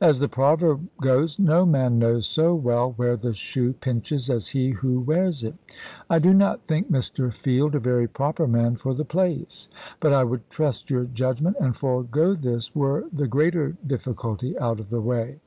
As the proverb goes, no man knows so well where the shoe pinches as he who wears it. I do not think Mr. Field a very proper man for the place, but I would trust your judgment and forego this were the greater difficulty out of the way.